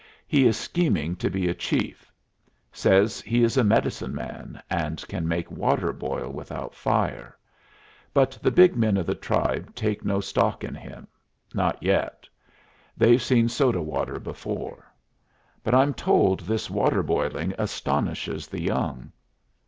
He is scheming to be a chief. Says he is a medicine man, and can make water boil without fire; but the big men of the tribe take no stock in him not yet. They've seen soda water before. But I'm told this water boiling astonishes the young."